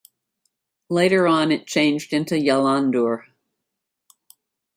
Later on it changed into Yalandur.